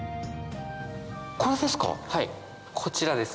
こちらです。